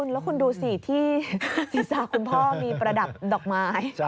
แล้วคุณดูสิที่ศีรษะคุณพ่อมีประดับดอกไม้